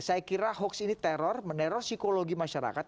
saya kira hoax ini teror meneror psikologi masyarakat